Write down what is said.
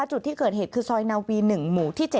จุดที่เกิดเหตุคือซอยนาวี๑หมู่ที่๗